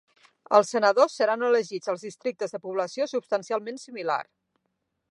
Els senadors seran elegits als districtes de població substancialment similar.